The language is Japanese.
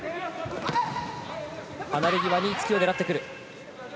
離れ際に突きを狙ってくる。